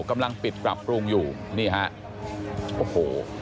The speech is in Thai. กำลังปิดปรับปรุงอยู่นี่ฮะโอ้โห